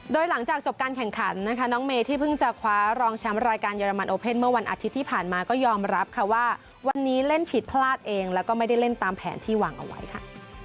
โดยหลังจากจบการแข่งขันนะคะน้องเมย์ที่เพิ่งจะคว้ารองแชมป์รายการเรมันโอเพ่นเมื่อวันอาทิตย์ที่ผ่านมาก็ยอมรับค่ะว่าวันนี้เล่นผิดพลาดเองแล้วก็ไม่ได้เล่นตามแผนที่วางเอาไว้ค่ะ